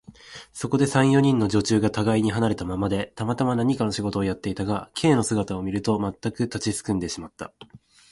そこでは、三、四人の女中がたがいに離れたままで、たまたま何かの仕事をやっていたが、Ｋ の姿を見ると、まったく立ちすくんでしまった。